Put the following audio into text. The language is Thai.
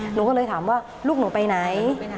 หนูก็เลยถามว่าลูกหนูไปไหน